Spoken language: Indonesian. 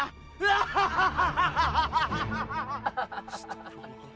artinya bisa apa apa kau buat